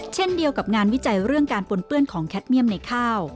เช่นเดียวกับงานวิจัยเรื่องการปนเปื้อนของแคทเมี่ยมในข้าว